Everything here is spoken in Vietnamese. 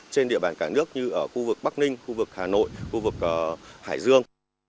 trên địa bàn cả nước như ở khu vực bắc ninh khu vực hà nội khu vực hải dương